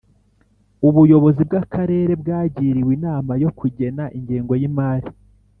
ubuyobozi bw akarere bwagiriwe inama yo kugena ingengo y imari